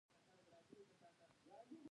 ایا زه باید طلاق ورکړم؟